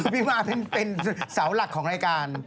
มาเป็นเสาหลักของรายการ